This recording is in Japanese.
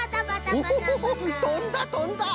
オホホホッとんだとんだ！